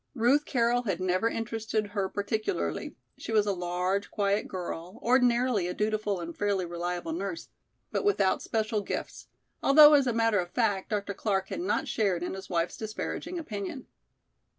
Ruth Carroll had never interested her particularly; she was a large, quiet girl, ordinarily a dutiful and fairly reliable nurse, but without special gifts, although as a matter of fact, Dr. Clark had not shared in his wife's disparaging opinion.